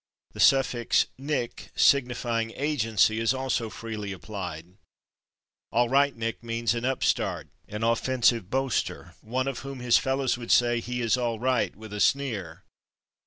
The suffix / nick/, signifying agency, is also freely applied. /Allrightnick/ means an upstart, an offensive boaster, one of whom his fellows would say "He is all right" with a sneer.